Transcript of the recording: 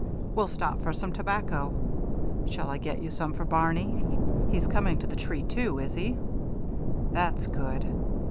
We'll stop for some tobacco shall I get you some for Barney? He's coming to the tree, too, is he? That's good.